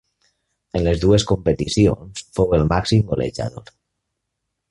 En les dues competicions fou el màxim golejador.